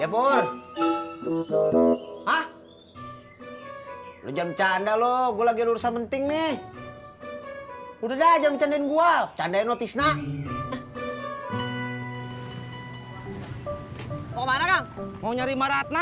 ya pur ha lu jangan bercanda lo gua lagi urusan penting nih udah dah jangan bercandain gua